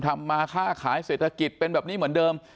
ทำมาค่าขายเศรษฐกิจเป็นแบบนี้เหมือนเดิม